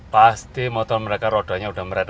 pasti motor mereka rodanya udah mereteli